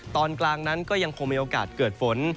ตอนกลางนั้นก็ยังคงมีโอกาสเกิดฝน